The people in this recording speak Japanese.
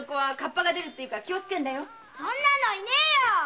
そんなのいねえよ！